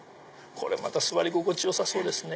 これ座り心地よさそうですね。